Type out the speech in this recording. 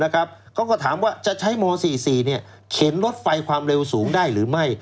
เขาก็ถามว่าจะใช้ม๔๔เข็นรถไฟความเร็วสูงได้หรือไม่